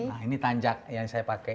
nah ini tanjak yang saya pakai